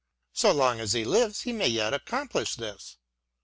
So long as he lives he may yet accomplish this.